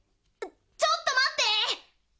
ちょっとまって！